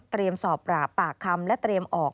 เตรียมสอบปากคำและเตรียมออก